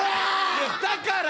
いやだから！